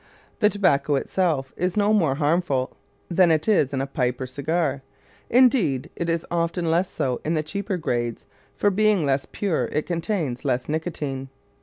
The tobacco itself is no more harmful than it is in a pipe or a cigar. Indeed, it is often less so in the cheaper grades, for, being less pure, it contains less nicotine.